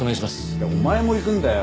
いやお前も行くんだよ！